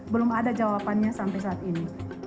belum ada jawabannya sampai saat ini